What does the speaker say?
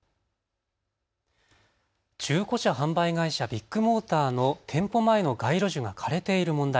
中古車販売会社、ビッグモーターの店舗前の街路樹が枯れている問題。